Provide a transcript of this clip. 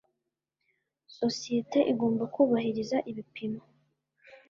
Sosiyete igomba kubahiriza ibipimo